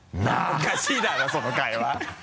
おかしいだろその会話。